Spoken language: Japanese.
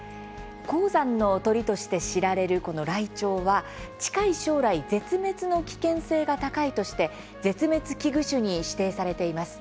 高山の鳥として知られるライチョウは近い将来絶滅の危険性が高いとして絶滅危惧種に指定されています。